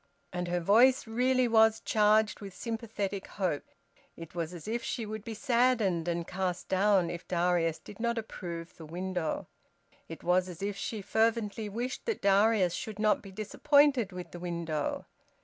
And her voice really was charged with sympathetic hope. It was as if she would be saddened and cast down if Darius did not approve the window. It was as if she fervently wished that Darius should not be disappointed with the window.